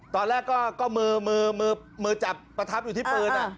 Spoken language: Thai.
ตอนแรกก็มือมือจับประทับอยู่ที่ปืน